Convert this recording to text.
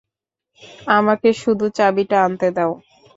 আমাকে শুধু চাবিটা আনতে দাও।